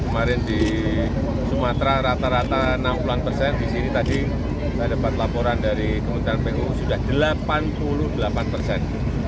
kemarin di sumatera rata rata enam puluh an persen di sini tadi saya dapat laporan dari kementerian pu sudah delapan puluh delapan persen